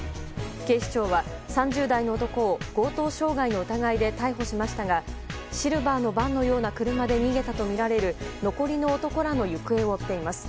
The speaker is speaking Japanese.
警視庁は３０代の男を強盗傷害の疑いで逮捕しましたがシルバーのバンのような車で逃げたとみられる残りの男らの行方を追っています。